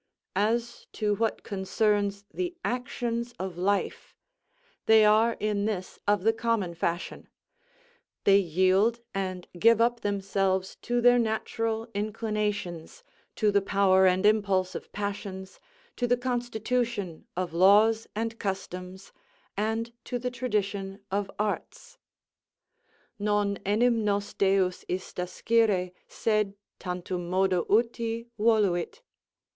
As to what concerns the actions of life, they are in this of the common fashion. They yield and give up themselves to their natural inclinations, to the power and impulse of passions, to the constitution of laws and customs, and to the tradition of arts; _Non enim nos Deus ista scire, sed tantummodo uti, voluit.